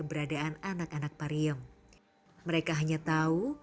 terimakasih etwas masjid itu